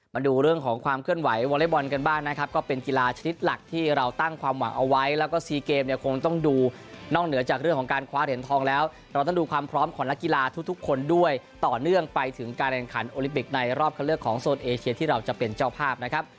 มาดูเรื่องของความเคลื่อนไหววอเล็กบอลกันบ้างนะครับก็เป็นกีฬาชนิดหลักที่เราตั้งความหวังเอาไว้แล้วก็ซีเกมเนี่ยคงต้องดูนอกเหนือจากเรื่องของการคว้าเหรียญทองแล้วเราต้องดูความพร้อมของนักกีฬาทุกทุกคนด้วยต่อเนื่องไปถึงการแข่งขันโอลิปิกในรอบเข้าเลือกของโซนเอเชียที่เราจะเป็นเจ้าภาพนะครับ